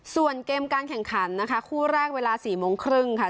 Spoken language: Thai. ส่วนเกมการแข่งขันนะคะคู่แรกเวลา๔โมงครึ่งค่ะ